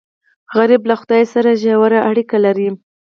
غریب له خدای سره ژور اړیکه لري